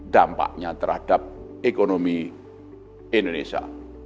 dampaknya terhadap ekonomi indonesia